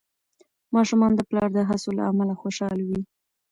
ماشومان د پلار د هڅو له امله خوشحال وي.